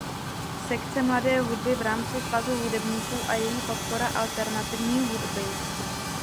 Sekce mladé hudby v rámci Svazu hudebníků a její podpora alternativní hudby.